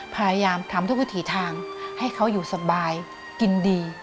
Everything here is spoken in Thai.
พยายามทำทุกวิถีทางให้เขาอยู่สบายกินดี